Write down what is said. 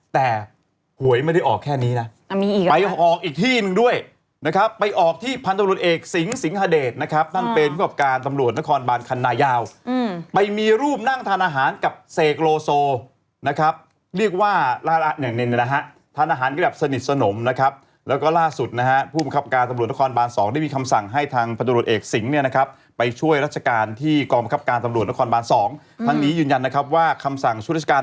แต่หวยไม่ได้ออกแค่นี้นะไปออกอีกที่หนึ่งด้วยนะครับไปออกที่พันธุ์บริการเอกสิงห์สิงห์ฮเดตนะครับทั้งเป็นผู้ประการตำรวจนครบานคันนายาวไปมีรูปนั่งทานอาหารกับเศกโลโซนะครับเรียกว่าราชนิดหนึ่งนะฮะทานอาหารก็แบบสนิทสนมนะครับแล้วก็ล่าสุดนะฮะผู้ประกับการตำรวจนครบานสองได้มีคำสั่งให้ทางพัน